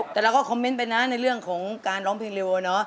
แต่เราก็คอมเมนต์ไปนะในเรื่องของการร้องเพลงเร็ว